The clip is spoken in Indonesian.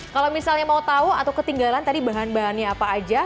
kalau misalnya mau tahu atau ketinggalan tadi bahan bahannya apa aja